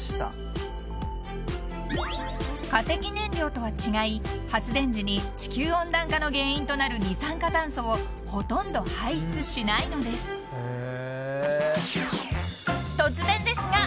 ［化石燃料とは違い発電時に地球温暖化の原因となる二酸化炭素をほとんど排出しないのです］